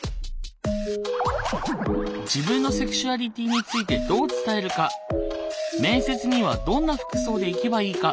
自分のセクシュアリティーについてどう伝えるか面接にはどんな服装で行けばいいか